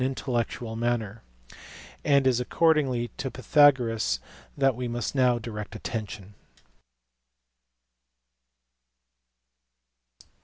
intellectual manner" : and it is accordingly to Pythagoras that we must now direct attention.